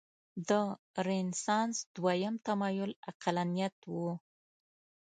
د رنسانس دویم تمایل عقلانیت و.